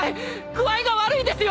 具合が悪いんですよ！